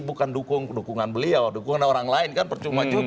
bukan dukungan beliau dukungan orang lain kan percuma juga